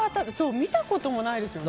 見たこともないですよね。